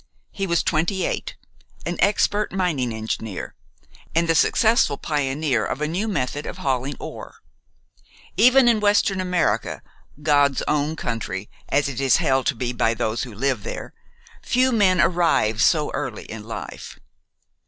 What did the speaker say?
He was twenty eight, an expert mining engineer, and the successful pioneer of a new method of hauling ore. Even in Western America, "God's own country," as it is held to be by those who live there, few men "arrive" so early in life.